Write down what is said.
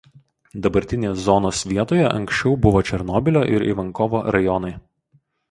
Dabartinėje zonos vietoje anksčiau buvo Černobylio ir Ivankovo rajonai.